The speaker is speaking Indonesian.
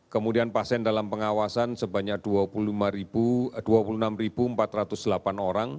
kemudian pasien dalam pengawasan sebanyak dua puluh enam empat ratus delapan orang